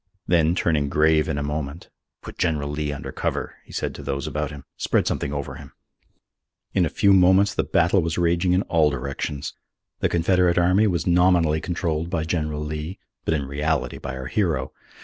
Then, turning grave in a moment, "Put General Lee under cover," he said to those about him, "spread something over him." In a few moments the battle was raging in all directions. The Confederate Army was nominally controlled by General Lee, but in reality by our hero.